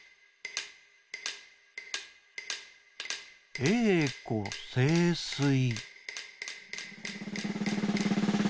「えいこせいすい」。